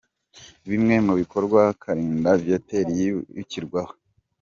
Bimwe mu bikorwa Kalinda Viateur yibukirwaho :.